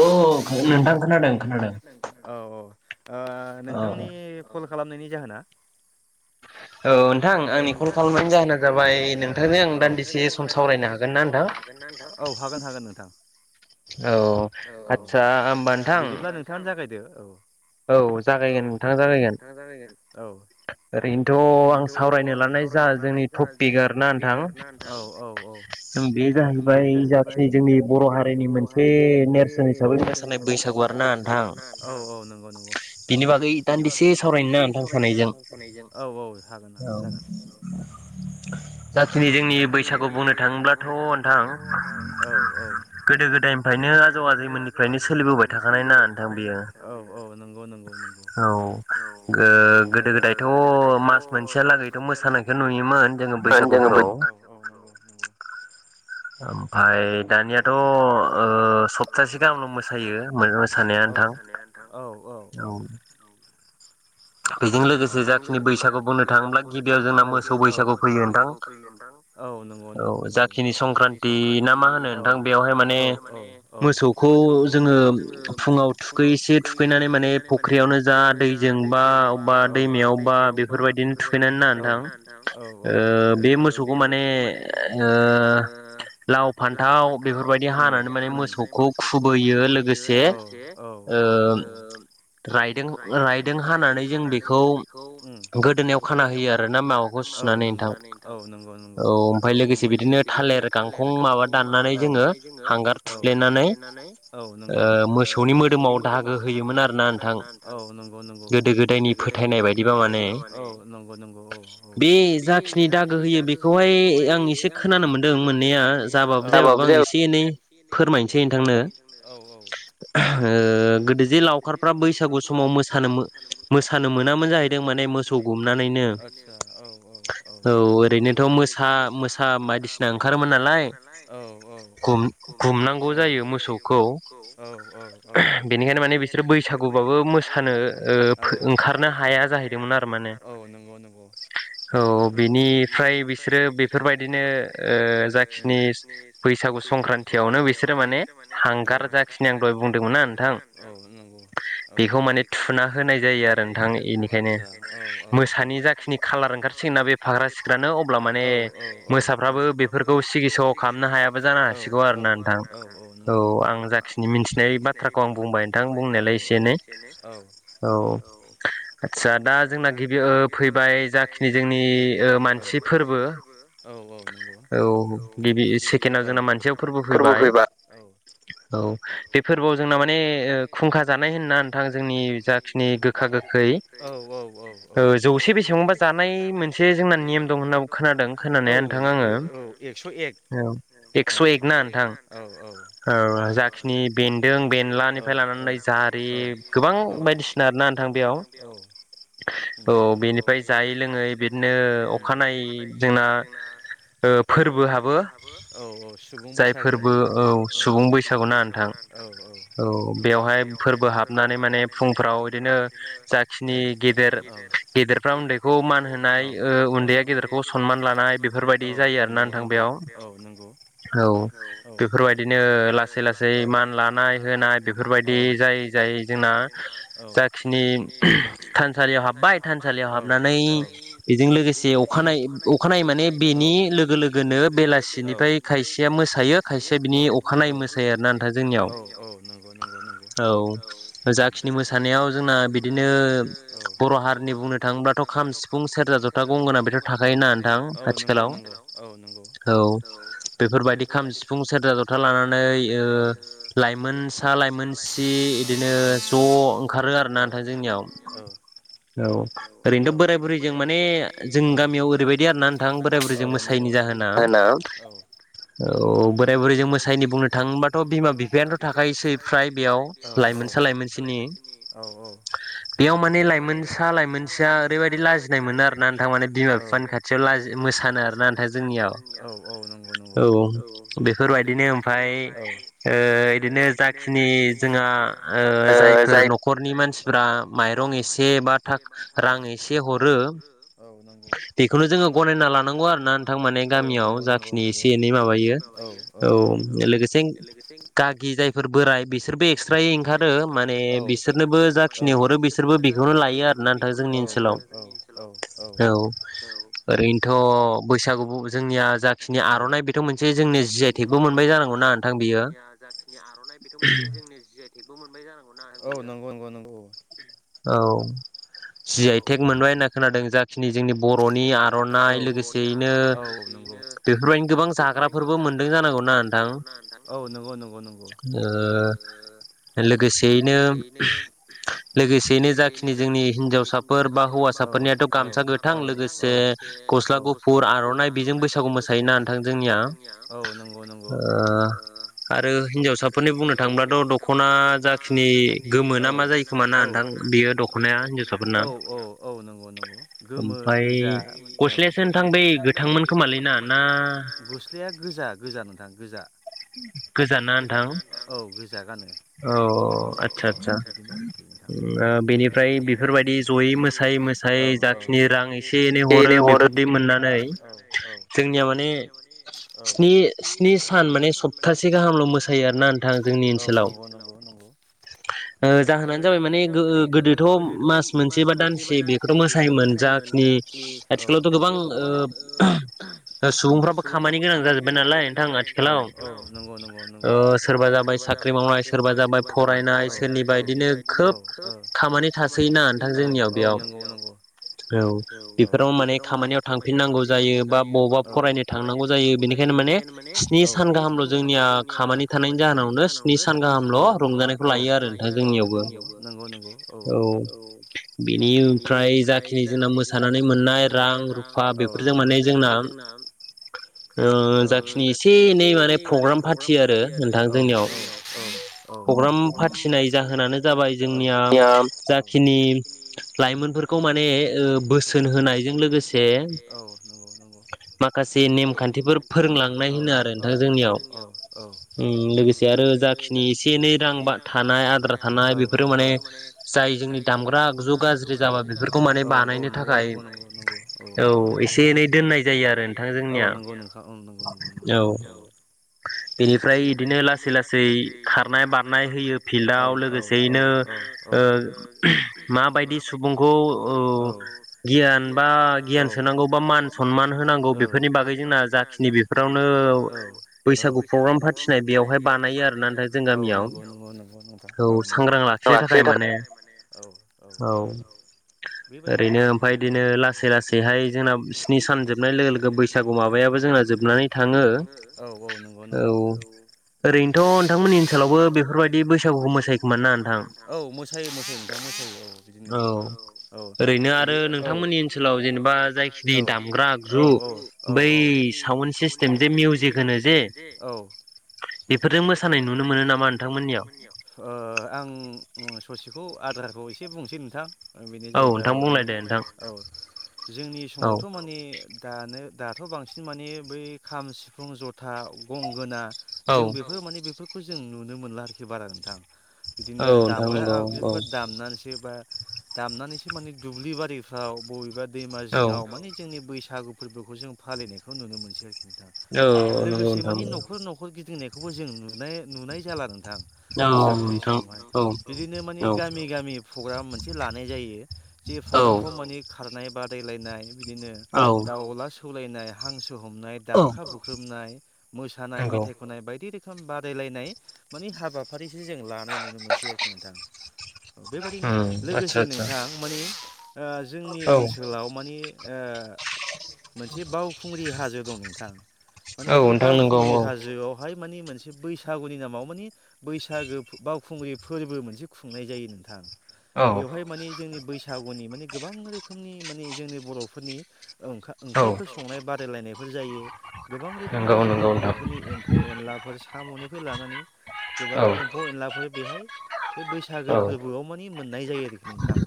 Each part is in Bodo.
औ नोंथां खोनादों खोनादों। ओ नोंथांनि कल खालामनायनि जाहोना औ नोंथां आंनि कल खालामनायनि जाहोना जाबाय नोंथांनो आं दान्दिसे सम सावरायनो हागोन। औ हागोन हागोन नोंथां औ आदसा होमबा नोंथां औ जागायगोन नोंथाङा जागायगोन ओरैनोथ' आं सावरायनो लानाय जा जोंनि टपिक आर ना नोंथां बे जाहैबाय जाखिनि जोंनि बर' हारिनि मोनसे नेरसोन हिसाबैस बैसागुआ औ औ नंगौ औ औ हागोन जागोन जाखिनि जोंनि बैसागु बुंनो थाङोब्लाथ' नोंथां गोदो गोदायनिफ्रायनो औ औ नं नंगौ नंगौ नंगौ औ गोदो गोदायथ' मा मोसानायखौ नुयोमोन जोङो बैसागुफ्राव ओमफाय दानियाथ' सप्तासे गाहामल' मोसायो मोसानाया नोंथां औ औ औ। औ औ औ औ। औ नंगौ नंगौ नंगौ ओ औ औ औ औ। थुखैनानै माने फुख्रियावनो जा दैजों बा औ औ औ औ माने ओ लाव फान ओम ओम औ औ औ ओ राइदों राइ ओम औ नंगौ औ। औ ओमफ्राय लोगोसे बिदिनो थालिर गांखं माब औ औ औ नंगौ। औ नंगौ नं खौ औ नंगौ नंगौ औ औ। बेखौहाय आं एसे खोनानो मोनदों मोननाया जाबाबो जायाबाबो आं एसे एनै फोरमायनोसै नोंथांनो। ओ गोदो जे लावखारफ्रा बैसागु समाव मोसानोमोन। आतसा औ औ औ औ। बेथ' मोसा मोसा बायदिसिना ओंखारोमोन आरो। लाय गुम गुमनांगौ जायो मोसौखौ। बेनिखायनो माने बिसोरो बैसागु बाबो मोसानो ओ फो ओंखारनो हाया जाहैदोंमोन आरो माने औ बेनिफ्राय बिसोरो बेफोरबायदिनो ओ ओ जाखिनिस बैसागु संक्रान्तियावनो बिसोरो माने हांगार जाखिनि आं दहाय बुंदोंमोन ना बुंदोंमोन ना नोंथां औ नंगौ औ बेख खौ माने थुना होनाय जायो आरो नोंथां आतसा जेनेबा औ औ औ मोसानि जातिनि खालार ओंखारसिन ना बे सिख्रानो अब्ला माने मोसाफ्राबो बेख फोरखौ सिगि सग' खालामनो हायाबो जानो हासिगौ आरोना नोंथां औ आं जाखिनि मिथिनाय बाथ थ्राखौ आं बुंबाय नोंथां बुंनायालाय एसे एनै औ आदसा दा जोंना गिबि ओ फैबाय जाखिनि जोंनि ओ मानसि फोरबो औ औ नंगौ। औ गिबि सेकेण्डआ जोंना मानसेआव फोरबो फैबाय औ बे फोरबोआव जोंना माने ओ खुंखा जानाय होनना नोंथां जों नि जाखिनि गोखा गोखै ओ जौसे बेसेबांबा जानाय मोनसे जों ना नियम दं होन्नाबो खोनादों खोनानाया नोंथां आङो। औ एक्स' एक ओ एकस' एकना नोंथां औ औ औ जाखिनि बेन्दों बेनलानिफ्राय लानानै जारि गोबां बायदिसिना ना नोंथां बेयाव औ बेनिफाय जायै लोङै बिदिनो अखानायै जोंना ओफ ओ फोरबो हाबो औ औ सुबुं बैसागु होननाय जाय फोरबो औ सुबुं बैसागु ना नोंथां औ औ औ बेवहाय फोरबो हाब नानै माने फुंफ्राव इदिनो जाखिनि गेदर गेदेरफ्रा उन्दैखौ मान होना नाय ओ उन्दैया गेदेरखौ सनमान लानाय बेफोरबायदि जाय नंगौ नंगौ औ नंगौ। औ बेफोरबायदिनो लासै लासै मान लानाय होनाय बेफोरबायदि जाय जायो जोंना जाखिनि थानसालियाव हाबबाय थानसालियाव हाबनानै बेजों लोगोसे अखानायै अखानायै माने बेनि लोगो लोगोनो बेलासिनिफ्राय खायसेया मोसायो खायसेया बिनि अखानायै मोसायो आरोना नोंथां जोंनियाव। औ औ नंगौ नंगौ नंगो औ ओ जाखिनि मोसानायाव जोंना बिदिनो बर' हारिनि बुंनो थाङोब्लाथ' खाम, सिफुं, सेरजा, जथा, गंगोना बेथ' थाखायोना नोंथां आथिखालाव औ नंगौ औ बेफोरबायदि खाम, सिफुं, सेरजा, जथा लानानै ओ लाइमोनसा लाइमोन सि इदिनो ओ ज' ओंखारो आरोना नोंथां जोंनियाव। औ ओरैनोथ' बोराय बुरैजों माने जों गामियाव ओरैबायदि आर ना नोंथां बोराय बुरैजों मोसायो। ज मोसायो ओनाम औ औ बोराय बुरैजों मोसायैनि बुंनो थाङोबाथ' बिमा बिफायानोथ' थाखायोसै फ्राय बेयाव औ औ लाइमोनसा लाइमोनसिनि औ औ बेयाव माने लाइमोनसा लाइमोनसिया ओरैबायदि लाजिनाय मोनो आरोना नोंथां मानि बिमा‌ बिफानि खाथियाव लाजि मोसानो आरो नाथाय जोंनिया औ औ नंगौ नंगौ औ बेफोरबायदिनो ओमफाय ओ ने जाखिनि जोंहा ओ जायफोर न'खरनि मानसिफ्रा माइरं एसे बा थाख‌ रां एसे हरो। ओ बेखौनो जोङो गनायना लानांगौ आरोना नोंथां। माने गामियाव जाखिनि एसे एनै माबायो औ लोगोसे गागि जायफोर बोराय एक्स्रायै ओंखारो माने बिसोरनोबो जाखिनि हरो बिसोरबो बेखौनो लायो आरोना नोंथां जोंनि ओनसोल औ औ ओरैनोथ' बैसागुखौ जोंनिया जा खिनि आर'नाइ बेथ' मोनसे जोंनि जि आइ थेकबो मोनबाय जानांगौना नोंथां बेयो? जोंनि जि आइ टेकबो मोनबाय जानांगौ ना औ नंगौ नंगौ नंगौ औ औ जि आइ थेक मोनबाय होनना खोनादों जाखिनि जोंनि बर'नि आर'नाइ लोगोसेयैनो बेफोरबायदिनो गोबां जाग्राफोरबो मोनदों जानांगौना नोंथां ओ लोगोसेयैनो लोगोसेयैनो जाखिनि जोंनि हिनजावसाफोर बा हौवासाफोरनियाथ' गामसा गो थां लोगोसे औ औ गस्ला गुफुर आर'नाइ बेजों बैसागु मोसायोना नोंथां जोंनिया ओ आरो हिनजावसाफोरनि बुंनो थाङब्लाथ दखना जाखिनि गोमोा मा [unintelligible] जायोखोम दखनाया औ औ औ नंगौ नंगौ गोमो गोजा औ गस्लायासो बै नोंथां गोथांमोन खोमालै ना ना गस्लाया गोजा गोजा गोजा नोंथां गोजा गोजा ना नोंथां औ गोजा गानो औ आदसा आतसा बेनिफ्राय बेफोरबायदि जयै मोसायै मोसायै जाखिनि रां एसे एनै हरो बेफोरदि मोननानै जोंनिया माने स्नि स्नि सान माने सप्तासे गाहामल मोसायो आरोना नोंथां जोंनि ओनसोलाव नंगौ ओ जाहोनानो जाबाय माने गोहो गोदोथ मास मोनसे बा दानसे बेखौथ मोसायोमोन मोसायोमोन जाखिनि औ आथिखालावथ गोबां ओ सुबुंफ्राबो खामानि गोनां जाजोब्बाय नालाय [unintelligible] औ औ नोंगौ नोंगौ नोंगौ सोरबा साख्रि मावनाय सोरबा जाबाय फरायनाय ना औ इसोरनिबदिनो औ औ खोब खामानि थासै नोंथां औ औ नोंगौ नोंगौ औ बेफोराव माने खामानियाव थांफिननांगौ जायो बा बबावबा फरायनो थांनांगौ जायो बेनिखायनो माने स्नि सान गाहामल जोंनिया खामानि थानायनि जाहोनावनो स्नि सान गाहामल रंजानायखौ लायो आरो नोंथां औ जोंनियावबो नंगौ नंगौ औ औ बिनिफ्राय जा खिनि जोंना मोसानानै मोननाय रां औ रुफा बेफोरजों माने जोंना ओ जाखिनि एसे एनै माने प्रग्राम फाथियो आरो नोंथां औ औ औ प्रग्राम फाथिनाय जाहोनानो जाबाय जोंनिया जाखिनि लाइफोरखौ मा माने ओ बोसोन होनायजों लोगोसे औ नंगौ नंगौ माखासे नेमखान्थिफोर फोरोंलांनाय होनो आरो जोंनियाव औ औ औ औ औ ओम लोगोसे आरो जाखिनि एसे एनै रां बान थानाय आद्रा थानाय बेफोरो माने जाय जोंनि दामग्रा आगजु गाज्रि जाबा बेफोरखौ मान औ औ नंगौ नंगौ नंगौ नंगौ औ औ एसे एनै दोननाय जायो आरो नोंथां जोंनिया औ बेनिफ्राय इदिनो लासै लासै खारनाय बारनाय होयो फिल्डआव लोगोसेयैनो ओ माबायदि सुबुंखौ ओ गियान बा गियान सोनांगौ बा मान सनमान होनांगौ बेफोरनि बागै जोंना जाखिनि बेफोरावनो औ औ बैसागु प्रग्राम फाथिनाय बेवहाय बानायो आरो ना औ नोंगौ नोंखौ नों औ सांग्रां लाखिनो थाखाय माने औ ओरैनो ओमफाय इदिनो लासै लासैहाय जोंना स्नि सान जोबनाय लोगो लोगो बैसागु माबाया माबायाबो जोंना जोबनानै थाङो औ औ नंगौ नंगौ औ ओरैनोथ नोंथांनिमोननि ओनसावबो बेफोरबायदि बेफोरबायदि बैसागुखौ मोसायो खोमा ना नोंथां औ औ मोसायो मोसायो नोंथां मोसायो औ बिदिनो औ ओरैनो औ नोंथांमोननि ओनसोलाव जेनेबा जाखिनि दामग्रा औ औ औ बै साउन सिस्टेम जे मिउजिक होनो जे औ बेफोरजों मोसानाय नुनो मोनो नामा नोंथांमोननियाव ओ-आं ससेखौ आद्राखौ एसे बुंसै नोंथां। ओ बेनो जाहैबाय औ नोंथां बुंलाय दे औ जोंनि समावथ माने। दानो दाथ बांसिन माने बै खाम सिफुं जथा गंगोना। जों बेखो माने बेफोर माने बेफोरखौ जों नुनो मोनला आरोखि बारा नोंथां। बिदिनो दामग्रा आगजुफोर दामनानैसो बा। दामनानैसो माने दुब्लि बारिफ्राव बबेबा दैमा जिङाव माने जोंनि बैसागु। फोरबोखौ जों फालिनायखौ नुनो मोनसै आरोखि नोंथां लोगोसे मानि नखर नखर गिदिंनाय। खौबो जों नुनाय नुनाय जाला नोंथां। बैसागुनि समावहाय बिदिनो माने गामि-गामि प्रग्राम मोन से लानाय जायो जे प्रग्रामाव मान खारनाय बादायलायनाय। दिनो दाउला सौलायनाय हांसो सो हमनाय दाबखा उख्रोबनाय मोसानाय मेथाइ खननाय बायदि रोख खोम बादायलायनाय माने हाबाफारिसो जों लानाय नुनो मोनसै आरो नोंथां। बेबादिनो लोगोसे नोंथां माने ओ-जोंनि ओनसोलाव माने। ओ-मोनसे बावखुंग्रि हाजो दं नोंथां। माने बे बावखुंग्रि हाजोआवहाय। मानि मोनसे बैसागुनि नामाव माने बैसागो बावखुंग्रि फोरबो मोनसे खुंनाय जायो नोंथां। बेवहाय माने जोंनि बैसागुनि माने गोबां रोखोमनि माने जोंनि बरफोरनि। ओं ओंख्रिफोर संनाय बादायलायनायफोर जायो। गोबां रोखोमनि जोंनि बरफोरनि एम्फौ एनलाफोर सामनिफाय लानानै। गोबां एम्फौ एनलाफोर बेहाय। बे बैसागो फोर्बोआव मानि मोन जायो आरोखि नोंथां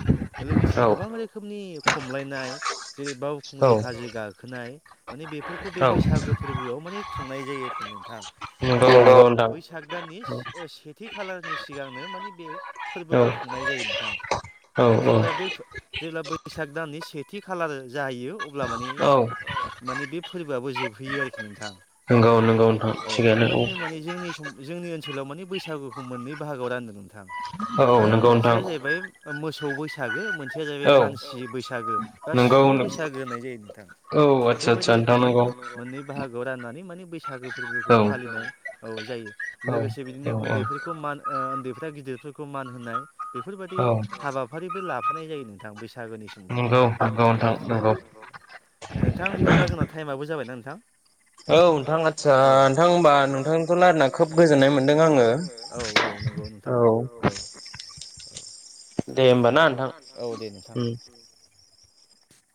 लोगोसे गोबां रोखोमनि खमलायनाय। जेरै- बावखुंग्रि हाजो गाखोनाय माने बेफोरखौ बे बैसागो फोरबोआव माने खुंनाय जायो आरोखि। नोंथां [unintelligible] बैसाग दाननि से-ओ-सेथि खालारनि सिगांनो माने बेयो। फोरबोखौ खुंनाय जायो नोंथां औ जेब्ला फो-जेब्ला बैसाग दाननि सेथि खालार। जाहैयो अब्ला माने माने बे फोरबोआबो जोबहैयो आरोखि नोंथां। औ-औ बेबायदिनो माने जोंनि सम जोंनि ओन सोलाव माने बसागुखौ मोननै बाहागआव रानदों नोंथां ओ-मोनसेया जा ओ मोसौ बैसागो मोनसेया जाहैबाय मानसि बैसागो दा सुबुं बैसागो होननाय जायो नोंथां। बेबायदि रोखोमै मोननै बाहागोआव राननानै माने बैसागो फोरबोखौ फालिनाय औ। जायो लोगोसे बिदिनो उन्दैफोरखौ मान ओ-उन्दै। फोरा गिदिरफोरखौ मान होनाय बेफोरबादि हाबाफारिबो लाफानाय जायो नोंथां बैसा सागोनि समावहाय औ नोंथां बिदिब्ला जोंना समाबो जाबायना थां थां। औ नोंथां आथस नोंथां होनबा नोंथांजों रायलायना खोब गोजोननाय मोनदों आङो औ औ औ। नंगौ नोंथां औ। दे होमब ना औ दे नोंथां।